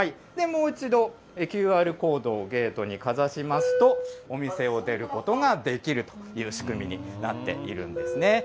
で、もう一度、ＱＲコードをゲートにかざしますと、お店を出ることができるという仕組みになっているんですね。